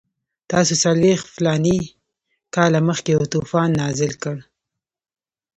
تاسو څلوېښت فلاني کاله مخکې یو طوفان نازل کړ.